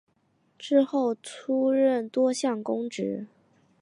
之后出任多项公职。